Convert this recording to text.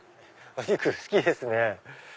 お肉好きですね。